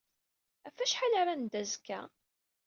Ɣef wacḥal ara neddu azekka?